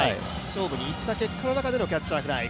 勝負にいった結果の中でのキャッチャーフライ。